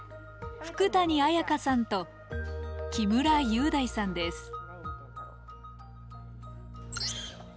福谷彩香さんと木村雄大さんです。